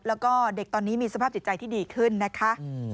แล้วก็เด็กตอนนี้มีสภาพจิตใจที่ดีขึ้นนะคะ